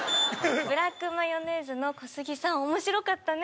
「ブラックマヨネーズの小杉さん面白かったね」。